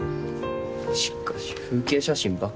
しかし風景写真ばっか。